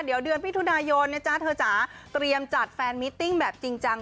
เดือนมิถุนายนนะจ๊ะเธอจะเตรียมจัดแฟนมิติ้งแบบจริงจัง